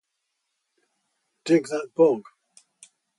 'Dig that bog!